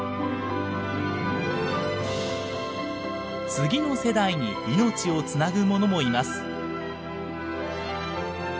次の世代に命をつなぐものもいます。